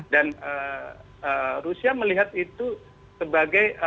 dan rusia melihat itu sebagai